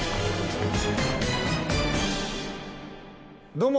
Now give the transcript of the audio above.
どうも！